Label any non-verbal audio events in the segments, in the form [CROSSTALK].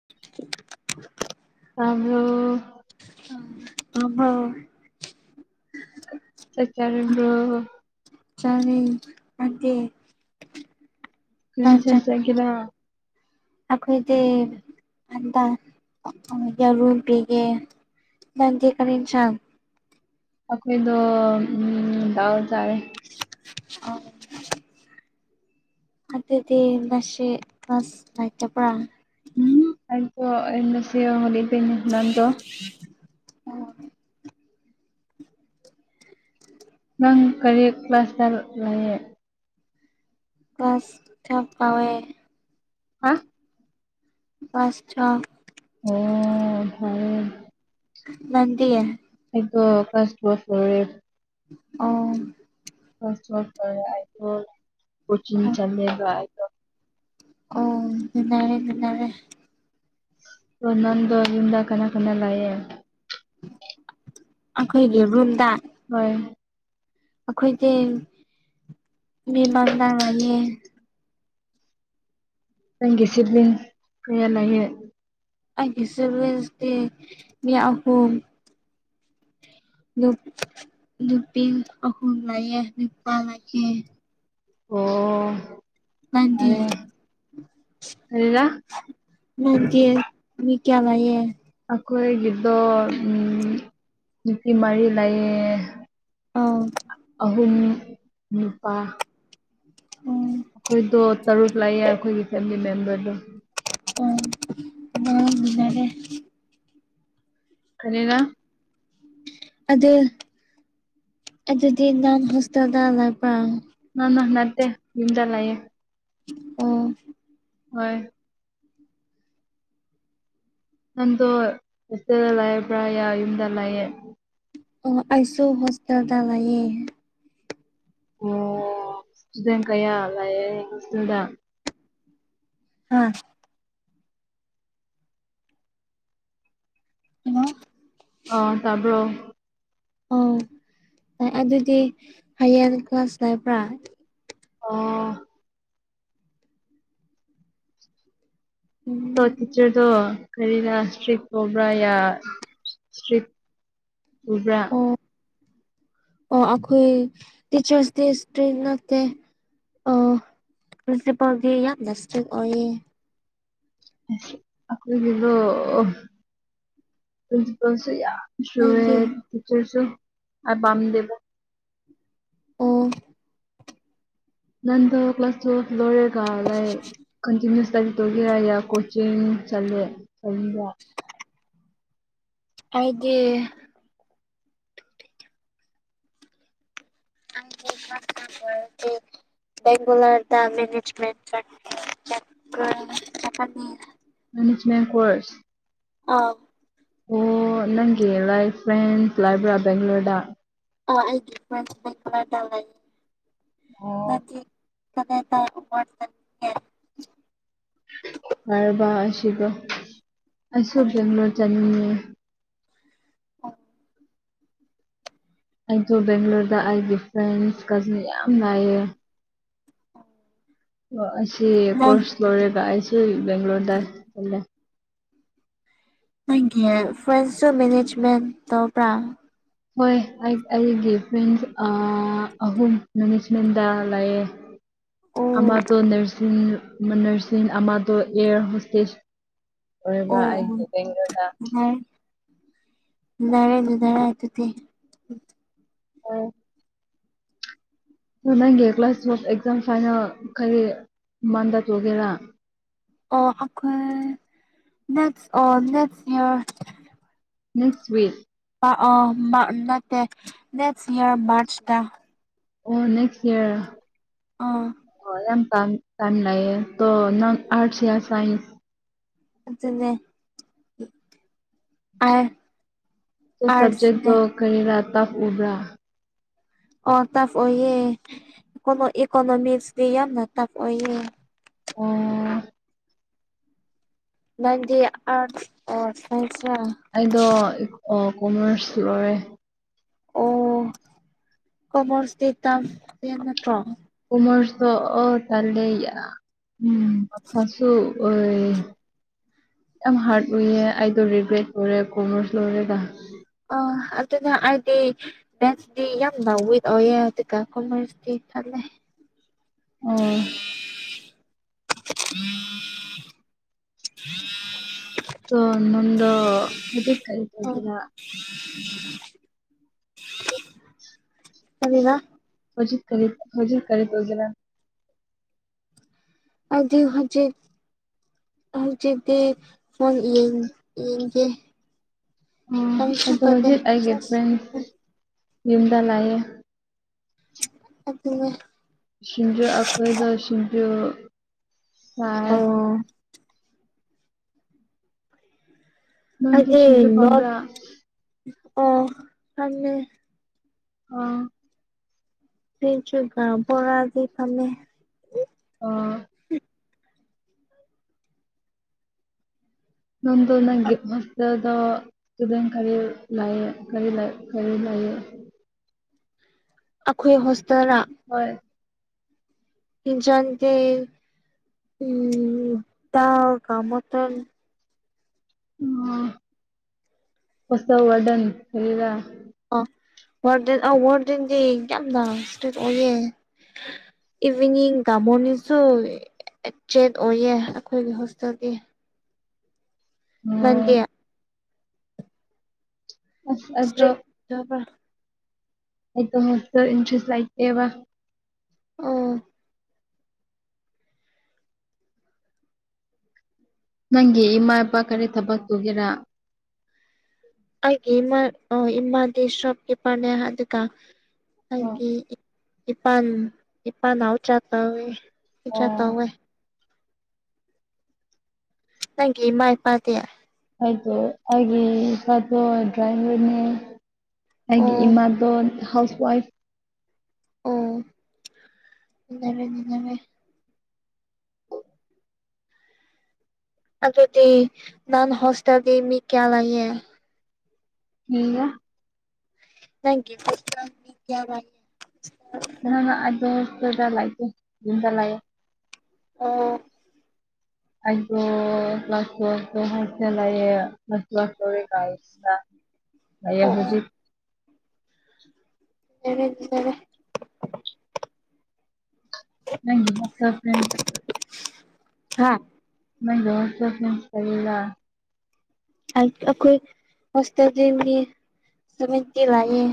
[INAUDIBLE] ꯑꯕ ꯑ ꯍꯣ ꯆꯆꯔ ꯆꯅꯤ ꯐꯗꯦ ꯅꯣꯏ ꯆꯦꯟ ꯆꯒꯗ ꯑꯩꯈꯣꯏꯗꯤ ꯍꯟꯗ ꯌꯥꯔꯨ ꯄꯤꯒꯦ ꯅꯗꯤꯦꯀꯅꯤ ꯆ ꯑꯩꯈꯣꯏꯗꯣ ꯗꯥꯎ ꯇꯥꯔꯦ ꯑ ꯑꯗꯗꯤ ꯃꯁꯦꯁ ꯂꯥꯏꯇ ꯄꯨꯔ ꯎꯝ ꯑꯣꯁꯤꯅꯤ ꯅꯗꯨ ꯑꯣ ꯅꯪ ꯀꯔꯤ ꯀ꯭ꯂꯥꯁꯇ ꯂꯌꯦ ꯁ ꯊꯞ ꯀꯋꯦ ꯍꯥ ꯑꯁꯆꯥ ꯑꯣ ꯐꯔꯦ ꯅꯗꯤꯌꯦ ꯑꯩꯣ ꯀꯥꯁ ꯐ꯭ꯂꯦ ꯑꯣ ꯐ ꯐ ꯀꯣꯆꯤꯡ ꯆꯃꯦꯒ ꯑꯣꯗꯔꯦ ꯑꯗꯨꯗꯔꯦ ꯑꯣ ꯅꯟꯗꯣ ꯌꯨꯝꯗ ꯀꯅꯥ ꯀꯅꯥ ꯂꯥꯛꯑꯦ ꯑꯩꯈꯣꯏꯒꯤ ꯔꯨꯜꯗ ꯍꯣꯏ ꯑꯩꯈꯣꯏꯁ ꯃꯤꯃꯥꯡ ꯉꯌꯦ ꯅꯪꯒꯦꯁꯤꯗꯤ ꯀꯌꯥ ꯂꯩꯏ ꯁ ꯃꯌꯥꯝ ꯈꯨꯨ ꯅꯨꯄꯤ ꯑꯍꯨꯝ ꯂꯥꯛꯑꯦ ꯅꯨꯄꯥ ꯂꯥꯛꯑꯦ ꯑꯣ ꯃ ꯐꯔꯦ ꯀꯔꯤꯔꯥ ꯃꯪꯒꯤ ꯃꯤ ꯀꯌꯥ ꯥꯏꯌꯦ ꯑꯩꯈꯣꯏꯒꯤꯗꯣ ꯅꯨꯅꯨꯡꯄꯤ ꯃꯔꯤ ꯂꯩꯥꯏꯌꯦ ꯑ ꯑꯍꯨꯝ ꯅꯨꯄꯥ ꯎꯝ ꯑꯩꯈꯣꯏꯗꯣ ꯇꯔꯨꯛ ꯂꯥꯛꯑꯦ ꯑꯩꯈꯣꯏꯒꯤ ꯐꯦꯃꯤꯂꯤ ꯃꯦꯝꯕꯔꯗꯣ ꯎꯝ ꯑ ꯖꯔꯦ ꯈꯅꯤꯅ ꯑꯗ ꯑꯗꯨꯗꯤ ꯅꯥꯟ ꯍꯣꯁꯇꯦꯜꯗꯂꯕ ꯅꯅ ꯅꯠꯇꯦ ꯝꯗꯂꯌꯦꯦ ꯑ ꯍꯣꯏ ꯅꯪꯗꯣ ꯍꯣꯁꯇꯦꯜꯗ ꯂꯩꯕꯔ ꯌꯥ ꯌꯨꯝꯗ ꯂꯩꯑꯦ ꯑꯣ ꯑꯩꯁꯨ ꯍꯣꯁꯇꯦꯜꯗ ꯂꯩꯌꯦ ꯑꯣ ꯍꯣꯁꯇꯦꯜ ꯀꯌꯥ ꯂꯥꯏ ꯍꯣꯁꯇꯦꯜꯗ ꯍꯥ ꯍꯂꯣ ꯑ ꯇꯥꯕ꯭ꯔꯣ ꯑꯧ ꯑꯦ ꯑꯗꯨꯗꯤ ꯍꯌꯦꯡ ꯀ꯭ꯂꯥꯁ ꯂꯩꯕ꯭ꯔꯥ ꯑꯣ ꯇꯣ ꯇꯤꯆꯔꯗꯣ ꯀꯔꯤꯔ ꯏꯁꯇ꯭ꯔꯤꯛ ꯑꯣꯏꯕ꯭ꯔꯥ ꯌꯥ ꯏꯁꯇꯔꯤꯛ ꯄꯨꯕ꯭ꯔꯥ ꯑꯣ ꯑꯣ ꯑꯩꯈꯣꯏ ꯇꯤꯆꯔꯁ ꯗꯦ ꯏꯁꯇꯔꯤꯛ ꯅꯠꯇꯦ ꯑꯣ ꯄꯔꯤꯁꯤꯄꯜꯒꯤ ꯌꯥꯝꯅ ꯏꯁꯇ꯭ꯔꯤꯛ ꯑꯣꯏꯌꯦ ꯑꯩꯈꯣꯏꯒꯤꯗꯣ ꯄ꯭ꯔꯤꯟꯁꯤꯄꯜꯁꯨ ꯌꯥꯝ ꯁꯨꯔꯦ ꯅꯪꯗꯤ ꯇꯤꯆꯔꯁꯨ ꯑꯥꯏꯄꯝꯗꯦꯕ ꯑꯣ ꯅꯪꯗꯣ ꯀ꯭ꯂꯥꯁ ꯇ꯭ꯋꯦꯜꯞ ꯂꯣꯔꯒ ꯂꯩ ꯀꯟꯇꯤꯟꯅꯨꯁ ꯑꯗꯨꯒꯤꯔ ꯌꯥ ꯀꯣꯆꯤꯡ ꯆꯠꯂꯦ [UNINTELLIGIBLE] ꯑꯩꯗꯤ [INAUDIBLE] ꯕꯦꯡꯒꯂꯣꯔꯗ ꯃꯦꯅꯦꯖꯃꯦꯟ ꯆꯠ [UNINTELLIGIBLE] ꯃꯦꯅꯦꯖꯃꯦꯟ ꯀꯣꯔꯁ ꯑꯥꯎ ꯑꯣ ꯅꯪꯒꯤ ꯂꯥꯏꯛ ꯐ꯭ꯔꯦꯟ ꯂꯥꯏꯕ꯭ꯔꯥ ꯕꯦꯡ꯭ꯂꯣꯔꯗ ꯑ ꯑꯩꯗꯤꯂ ꯇ ꯃꯥ ꯑꯣ [UNINTELLIGIBLE] ꯗ ꯋꯥ [UNINTELLIGIBLE] ꯀꯔꯕꯥ ꯑꯁꯤꯒ ꯑꯩꯁꯨ ꯕꯦꯡꯒꯂꯣꯔ ꯆꯠꯅꯤꯡꯉꯦ ꯑꯣ ꯑꯩꯖꯨ ꯕꯦꯡꯒꯂꯣꯔꯗ ꯑꯩꯒꯤ ꯐ꯭ꯔꯦꯟꯁ ꯀꯖꯟ ꯌꯥꯝ ꯂꯥꯏꯑꯦ ꯑꯣ ꯑꯁꯤ ꯅꯪ ꯀꯣꯔꯁ ꯂꯣꯏꯔꯒ ꯑꯩꯁꯨ ꯕꯦꯡꯒ꯭ꯂꯣꯔꯗ ꯆꯂꯦ ꯅꯪꯒꯤ ꯐ꯭ꯔꯦꯟꯁꯨ ꯃꯦꯅꯦꯖꯃꯦꯟ ꯇꯧꯕ꯭ꯔꯥ ꯍꯣꯏ ꯑꯩ ꯑꯩꯒꯤ ꯐ꯭ꯔꯦꯟꯁ ꯑ ꯑꯍꯨꯝ ꯃꯦꯅꯦꯖꯃꯦꯟꯗ ꯂꯩꯑꯦ ꯑꯣ ꯑꯃꯗꯣ ꯅꯔꯁꯤꯡ ꯃ ꯅꯔꯁꯤꯡ ꯑꯃ ꯇꯣ ꯑꯦꯌꯥꯔ ꯍꯣꯁꯇꯦꯖ ꯑꯣꯏꯔꯕ ꯑꯣ ꯑꯩꯒꯤ ꯕꯦꯡꯒꯔꯣꯗ [UNINTELLIGIBLE] ꯑꯣ ꯅꯪꯒꯤ ꯀ꯭ꯂꯥꯁ ꯇꯨꯋꯦꯞ ꯑꯦꯛꯖꯥꯝ ꯐꯥꯏꯅꯦꯜ ꯀꯔꯤ ꯃꯟꯗ ꯇꯧꯒꯦꯔꯥ ꯑꯣ ꯑꯩꯈꯣꯏ ꯅꯦꯛꯁ ꯑꯣ ꯅꯦꯛꯁ ꯏꯔ ꯅꯤꯁꯋꯤꯛ ꯄ ꯑꯣ ꯃꯔ꯭ꯛ ꯅꯠꯇꯦ ꯅꯦꯛꯁ ꯏꯌꯥꯔ ꯃꯥꯔꯆꯇ ꯑꯣ ꯅꯦꯛꯁ ꯏꯌꯔ ꯑꯥ ꯍꯣ ꯌꯥꯝ ꯇꯪ ꯇꯟ ꯂꯩꯑꯦ ꯇꯣ ꯅꯪ ꯑꯥꯔꯠꯁ ꯌꯥ ꯁꯥꯏꯟꯁ ꯑꯗꯨꯅꯦ ꯑꯥꯔ ꯗꯣ ꯁꯕꯖꯦꯛ ꯑꯥꯔꯠꯁꯅꯦ ꯇꯣ ꯀꯔꯤꯔ ꯇꯚ ꯎꯕꯔꯥ ꯑꯣ ꯇꯐ ꯑꯣꯏꯌꯦ ꯀꯩꯅꯣ ꯏꯀꯣꯅꯣꯃꯤꯛꯁꯇꯤ ꯌꯥꯝꯅ ꯇꯐ ꯑꯣꯏꯌꯦ ꯑꯣ ꯅꯪꯗꯤ ꯑꯥꯔꯠꯁ ꯑꯣꯔ ꯁꯥꯏꯟꯁꯔ ꯑꯩꯗꯣ ꯏ ꯑ ꯀꯣꯃꯔꯁ ꯂꯧꯔꯦ ꯑꯣ ꯀꯃꯔꯁꯇꯤ ꯇꯚ ꯃꯦꯠ ꯅꯠꯇ꯭ꯔꯣ ꯀꯨꯝꯃꯔꯁꯣ ꯇꯣ ꯑꯣ ꯇꯜꯂꯦ ꯎꯝ ꯑꯪꯀꯁꯨ ꯑꯣꯏ ꯌꯥꯝ ꯍꯥꯔꯠ ꯎꯏꯌꯦ ꯑꯩꯗꯣ ꯔꯤꯒ꯭ꯔꯦꯠ ꯂꯣꯏꯔꯦ ꯀꯣꯝꯔꯁ ꯂꯣꯏꯔꯒ ꯑ ꯑꯗꯨꯅ ꯑꯩꯗꯤ ꯃꯦꯁꯇꯗꯤ ꯌꯥꯝ ꯋꯤꯎ ꯑꯣꯢꯌꯦ ꯑꯗꯨꯒ ꯀꯣꯃꯔꯁꯇ ꯇꯠꯂꯦ ꯑꯣ ꯎꯝ [INAUDIBLE] ꯑꯗꯣ ꯅꯪꯗꯣ ꯍꯧꯖꯤꯛ ꯀꯔꯤ ꯇꯧꯀꯤꯔ [UNINTELLIGIBLE] ꯀꯔꯤꯕ ꯍꯖꯤꯛ ꯀꯔꯤ ꯍꯧꯖꯤꯛ ꯀꯔꯤ ꯇꯧꯒꯦꯔ ꯍꯧꯖꯤꯛ ꯍꯧꯖꯤꯛ ꯍꯧꯖꯤꯛꯇꯤ ꯐꯣꯟ ꯌꯦꯡ ꯌꯦꯡꯒꯦ ꯎ ꯀꯔꯤꯁꯨ ꯑꯗꯣ ꯇꯧꯗꯦ ꯍꯧꯖꯤꯛ ꯑꯩꯒꯤ ꯐ꯭ꯔꯦꯟ ꯁꯦꯁ ꯌꯨꯝꯗ ꯂꯩꯑꯦ ꯑꯗꯨꯅꯦ ꯁꯤꯁꯤꯡꯖꯣ ꯑꯩꯈꯣꯏꯗ ꯁꯤꯁꯤꯡꯖꯨ ꯆꯥꯢ ꯑꯣ ꯅꯪꯗꯤ ꯑꯩꯗꯤ ꯁꯤꯡꯖꯨ ꯅꯣꯠ ꯄꯥꯝꯕ꯭ꯔꯥ ꯑꯣ ꯈꯪꯗꯦ ꯑꯣ ꯁꯤꯡꯖꯨꯒ ꯕꯣꯔꯒꯤ ꯐꯝꯃꯦ ꯑꯣ ꯑꯗꯣ ꯅꯪꯒꯤ ꯃꯥꯁꯇ꯭ꯔꯗꯣ ꯑꯗꯨꯗꯪ ꯀꯔꯤ ꯂꯌꯦ ꯀꯔꯤ ꯀꯔꯤ ꯂꯌꯦ [INAUDIBLE] ꯑꯩꯈꯣꯏ ꯍꯣꯁꯇꯦꯜꯔ ꯍꯣꯏ ꯏꯁꯥꯟꯗꯤ ꯎꯝ ꯗꯥꯜꯒ ꯃꯇꯥꯜꯒ ꯑꯥ ꯍꯣꯁꯇꯦꯟ ꯋꯥꯗꯟ ꯂꯩꯕꯔꯥ ꯑꯣ ꯋꯥꯔꯗꯦꯟ ꯑ ꯋꯥꯔꯗꯦꯟꯗꯤ ꯌꯥꯝꯅ ꯏꯁꯇ꯭ꯔꯤꯠ ꯑꯣꯏꯌꯦ ꯏꯚꯅꯤꯡꯒ ꯃꯣꯔꯅꯤꯡꯁꯨ ꯆꯦꯟ ꯑꯣꯏꯌꯦ ꯑꯩꯈꯣꯏꯒꯤ ꯍꯣꯁꯇꯦꯜꯗꯤ ꯅꯪꯗꯤ ꯑꯣ ꯑꯁ ꯑꯩꯗꯣ ꯌꯥꯕꯔ [INAUDIBLE] ꯑꯣ ꯃ ꯏꯟꯆꯁ ꯂꯥꯏꯇꯦ ꯋꯥ [INAUDIBLE] ꯑꯣ ꯅꯪꯒꯤ ꯏꯃꯥ ꯢꯄꯥ ꯀꯔꯤ ꯊꯕꯥꯛ ꯇꯧꯒꯦꯔꯥ ꯑꯩꯒꯤ ꯏꯃꯥ ꯑꯣ ꯏꯃꯥꯗꯤ ꯁꯣꯞꯀꯤꯞꯄꯔꯅꯦ ꯑꯗꯨꯒ ꯑꯣ ꯑꯩꯒꯤ ꯏꯄꯥ ꯏꯄꯥꯎ ꯆꯥꯇꯥꯦ [INAUDIBLE] ꯆꯥꯇꯦ ꯑꯣ ꯅꯪꯒꯤ ꯢꯃꯥ ꯢꯄꯥꯗꯤ ꯍꯥꯏꯣ ꯍꯥꯏ ꯐꯠꯇꯣ ꯗ꯭ꯔꯥꯏꯔꯅꯦ [INAUDIBLE] ꯑꯩꯒꯤ ꯏꯃꯥꯗꯣ ꯍꯥꯎꯁ ꯋꯥꯏꯐ ꯑꯣꯔꯦꯟꯅꯔꯦ [INAUDIBLE] ꯑꯗꯨꯗꯤ ꯅꯣꯢ ꯍꯣꯁꯇꯦꯜꯗꯤ ꯃꯤ ꯀꯌꯥ ꯂꯩꯥꯛꯌꯦ ꯃꯤ ꯃꯌꯥꯝ ꯅꯪ ꯄꯨ ꯀꯌꯥ [INAUDIBLE] ꯅꯪ ꯑꯗꯗ ꯂꯥꯏꯀꯦ ꯑꯗꯨꯝꯗ ꯂꯑꯦ [INAUDIBLE] ꯑꯣ ꯑꯣ ꯀ꯭ꯂ꯭ꯂ ꯍꯣꯜꯁꯦꯂꯦꯁ ꯀ꯭ꯂ꯭ꯂꯥꯁ ꯇꯧ [INAUDIBLE] ꯑꯣ ꯌꯦꯕꯨꯗꯤ [INAUDIBLE] ꯂꯩꯗꯔꯦ [INAUDIBLE] ꯅꯪꯅ [INAUDIBLE] ꯍꯥꯥ [UNINTELLIGIBLE] ꯑꯩ ꯑꯩꯈꯣꯏ ꯍꯣꯁꯇꯦꯜꯗꯤ ꯃꯤ ꯁꯃꯤꯛꯇꯤ ꯂꯑꯦ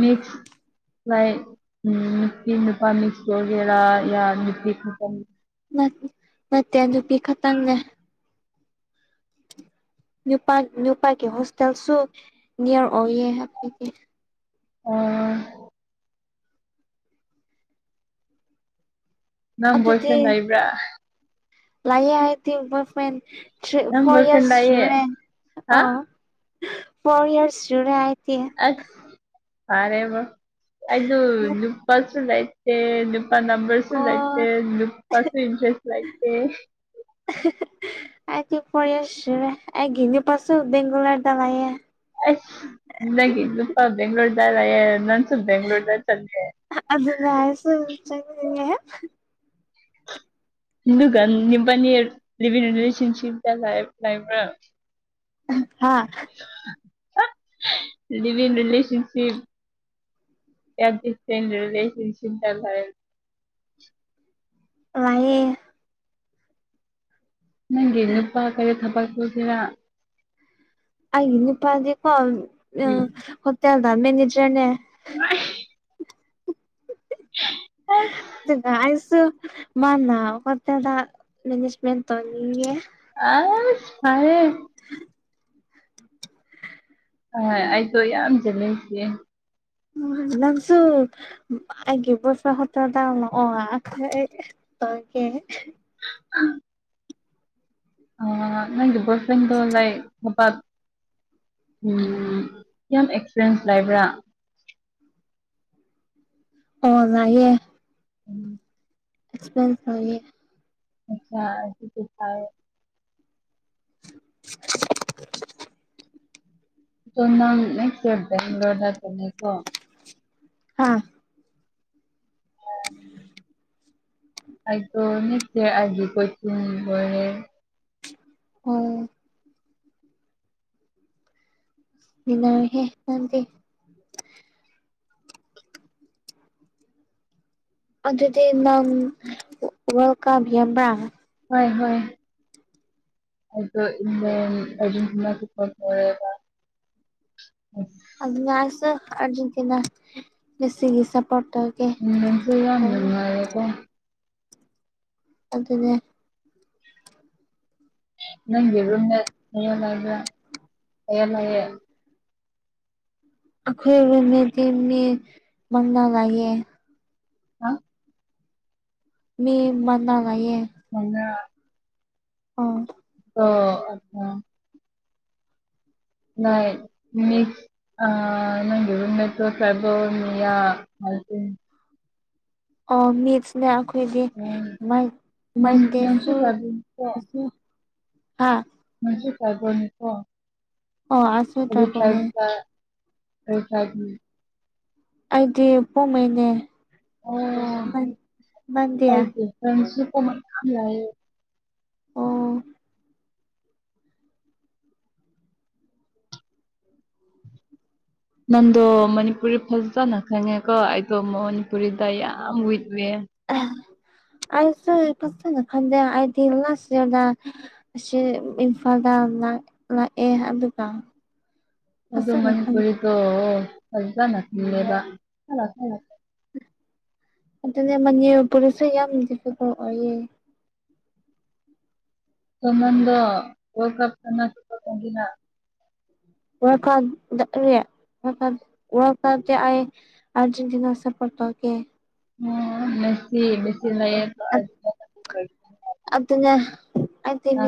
ꯃꯦꯛꯁ [UNINTELLIGIBLE] ꯅꯠ ꯅꯠꯇꯦ ꯅꯨꯄꯤ ꯈꯛꯇꯪꯅꯦ ꯅꯨꯄꯥ ꯅꯨꯄꯥꯒꯤ ꯍꯣꯁꯇꯦꯜꯁꯨ ꯅꯤꯌꯔ ꯑꯣꯏꯌꯦ [UNINTELLIGIBLE] ꯑꯣ ꯅꯪ ꯕꯣꯏ ꯑꯗꯨꯗꯤ ꯐ꯭ꯔꯦꯟ ꯂꯩꯕ꯭ꯔꯥ ꯂꯏ ꯍꯥꯏ ꯇ [UNINTELLIGIBLE] ꯊ꯭ꯔꯤ ꯅꯪ ꯐꯣꯔ ꯕꯣꯏ ꯐ꯭ꯔꯦꯟ ꯏꯔꯁ ꯂꯩꯌꯦ ꯁꯨꯔꯦ ꯍꯥ ꯑ ꯐꯣꯔ ꯏꯌꯥꯔꯁ ꯁꯨꯔꯦ ꯑꯩꯗꯤ ꯑꯁ ꯐꯔꯦꯕ ꯑꯩꯗꯨ ꯅꯨꯄꯥꯁꯨ ꯂꯩ ꯇꯦ ꯅꯨꯄꯥ ꯅꯝꯕꯝꯕꯔ ꯁꯨ ꯂꯥꯏꯇꯦ ꯑꯣ ꯅꯨꯄꯥꯁꯨ ꯏꯟꯇꯔꯦꯁ ꯂꯥꯏꯇꯦ [UNINTELLIGIBLE] ꯑꯗꯤ ꯐꯣꯔ ꯌꯔ ꯁꯨꯔꯦ ꯑꯩꯒꯤ ꯅꯨꯄꯥꯁꯨ ꯕꯦꯒꯂꯣꯔꯦ ꯑꯁ ꯅꯒꯤ ꯅꯨꯄꯥ ꯕꯦꯡꯒꯂꯣꯔꯦꯗ ꯂꯩꯌꯦ ꯅꯪꯁꯨ ꯕꯦꯡꯒꯂꯣꯔꯦꯗ [UNINTELLIGIBLE] ꯑꯗꯨꯅꯤ [UNINTELLIGIBLE] ꯑꯗꯨꯒꯥ ꯅꯤꯕꯅꯤ ꯂꯤꯚꯤꯡ ꯔꯤꯁꯟꯁꯤꯟꯇ ꯂꯩ ꯂꯥꯏꯕ꯭ꯔꯥ [UNINTELLIGIBLE] ꯍꯥꯥ ꯂꯤꯕꯤꯡ ꯔꯤꯂꯦꯁꯟꯁꯤꯞ [UNINTELLIGIBLE] ꯂꯥꯏꯌꯦ ꯅꯪꯒꯤ ꯅꯨꯄꯥ ꯀꯔꯤ ꯊꯕꯛ [UNINTELLIGIBLE] ꯑꯩ ꯅꯨꯄꯥꯗꯤꯀꯣ ꯎ ꯎꯝ ꯍꯣꯇꯦꯜꯗ ꯃꯦꯅꯦꯖꯔꯅꯦ [UNINTELLIGIBLE] [UNINTELLIGIBLE] [UNINTELLIGIBLE] ꯑꯩꯁꯨ ꯃꯥꯅꯥ ꯍꯣꯇꯦꯜꯗ ꯃꯦꯖꯃꯦꯟ ꯇꯧꯅꯤꯟꯉꯦ ꯑꯁ ꯐꯔꯦ ꯑ ꯑꯩꯁꯨ ꯌꯥꯝ [UNINTELLIGIBLE] ꯎ ꯅꯪꯁꯨ ꯃꯥꯒꯤ [UNINTELLIGIBLE] ꯇꯒꯦ [UNINTELLIGIBLE] ꯑ ꯅꯪꯒꯤ ꯕꯣꯌꯗꯔ꯭ꯤꯑꯦꯟꯗ ꯂꯩꯥꯏ [UNINTELLIGIBLE] ꯎꯝ ꯌꯥꯝ ꯑꯦꯛꯁꯄꯔꯌꯦꯟꯁ ꯂꯩꯕ꯭ꯔꯥ [INAUDIBLE] ꯑꯣ ꯅꯥꯏꯌꯦ [INAUDIBLE] [UNINTELLIGIBLE] [UNINTELLIGIBLE] [UNINTELLIGIBLE] ꯗꯣ ꯅꯪ [UNINTELLIGIBLE] ꯍꯥꯥ [UNINTELLIGIBLE] ꯑꯩꯗꯣ ꯅꯠꯇ ꯍꯥꯏꯒꯤ ꯀꯣꯏꯆꯤꯡꯔꯦ ꯑꯣ ꯅꯔ ꯍꯦ ꯅꯗꯤ ꯑꯗꯨꯗꯤ ꯅꯪ ꯋꯥꯔꯜ ꯀꯞ ꯌꯥꯝꯕ꯭ꯔꯥ ꯍꯣꯏ ꯍꯣꯏ ꯑꯗꯨ ꯑꯤꯡꯂꯥꯟ ꯑꯗꯣ ꯑꯔꯒꯦꯟꯇꯤꯟ [INAUDIBLE] ꯑꯗꯨꯅ ꯍꯥꯢꯁꯦ ꯑꯔꯖꯦꯟꯇꯤꯅꯥ ꯃꯦꯁꯤ ꯑꯦꯟ ꯕ ꯁꯄꯣꯔꯠ [UNINTELLIGIBLE] ꯌꯥꯝ ꯅꯨꯟꯉꯥꯔꯦ ꯑꯗꯨꯦ ꯅꯪ ꯌꯦꯔꯨꯅ ꯍ ꯂꯩꯥꯏꯕ ꯂꯌꯥ ꯂꯌꯦ ꯑꯩꯈꯣꯏꯅꯦꯗꯤ ꯃꯤ ꯃꯪꯅꯥ ꯂꯥꯛꯌꯦ ꯑ ꯃꯤ ꯃꯟꯅ ꯉꯏꯌꯦ ꯃꯅ ꯑ ꯑꯣ ꯑ ꯅ ꯃꯤ ꯑ ꯅꯪ ꯌꯃꯦꯠꯇꯣ ꯁꯕ ꯃꯤꯌꯥ ꯑꯣ ꯃꯤ ꯑꯩꯈꯣꯏꯗꯤ ꯎꯝ ꯅꯪ ꯃꯥꯏꯇꯩꯦ ꯅꯪꯁꯨ ꯇ꯭ꯔꯥꯏꯕꯦꯜꯅꯤꯀꯣ ꯍꯥꯥ ꯃꯁꯤ ꯇꯥꯏꯕꯣꯟꯅꯤꯀꯣ ꯑꯣ ꯑꯁꯨ ꯑꯗꯨ ꯇ꯭ꯔꯥꯏꯕꯦꯜꯅꯦ ꯇꯥꯏꯕ ꯑꯩ ꯐꯥꯏ ꯑꯩꯗꯤ ꯄꯣꯉꯩꯅꯦ ꯃꯟꯗꯦ ꯐ꯭ꯔꯦꯟꯁꯤꯞ ꯀ ꯃ ꯈꯂꯑ ꯑꯣ [UNINTELLIGIBLE] [UNINTELLIGIBLE] ꯅꯪꯗꯣ ꯃꯅꯤꯄꯨꯔꯤ ꯐꯖꯅ ꯈꯪꯉꯦꯀꯣ ꯑꯩꯗꯣ ꯃꯅꯤꯄꯨꯔꯤꯗ ꯌꯥꯝ ꯋꯤꯛꯋꯦ ꯑꯁꯨ ꯀꯁꯅ ꯈꯗꯦ ꯑꯗꯤ ꯂ ꯁꯤꯗ ꯑꯁꯤ ꯏꯝꯐꯥꯜꯗ ꯂꯥꯛꯑꯦ ꯑꯗꯨꯒ ꯑꯗꯨ ꯑꯗꯨ ꯐꯖꯅ ꯃꯅꯤ ꯈꯟ ꯄꯨꯔꯤꯗꯣ ꯐꯖ ꯅꯄꯤꯂꯦꯕꯂ ꯑꯗꯨꯅꯦ ꯃꯅꯤ ꯄꯨꯂꯤꯁꯁꯨꯦ ꯌꯥꯝ ꯗꯤꯐꯤꯀꯜ ꯑꯣꯏꯌꯦ ꯁꯃꯟꯗ ꯀ ꯁꯄꯅ ꯋꯥꯔ ꯀꯥ ꯋꯥꯔ ꯀꯗ ꯑꯩꯥꯏ ꯑꯔꯖꯦꯟꯇꯤꯅꯥ ꯁꯔꯄꯔꯇꯧꯦ ꯑꯣ ꯃꯦꯁꯤ ꯦꯁꯤ ꯂꯦ ꯑꯗꯨꯅ ꯑ ꯏꯅꯤ